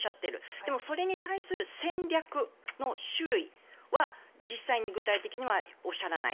でも、それに対する戦略の種類は実際に具体的にはおっしゃらない。